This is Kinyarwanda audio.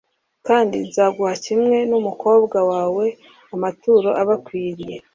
kandi nzaguhe kimwe n'umukobwa wawe, amaturo abakwiriye